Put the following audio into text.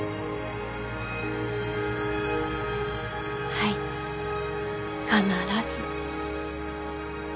はい必ず。